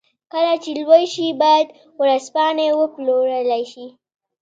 کله چې لوی شي بايد ورځپاڼې وپلورلای شي.